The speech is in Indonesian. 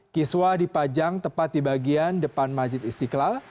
kiswa dipajang tepat di bagian depan majid istiqlal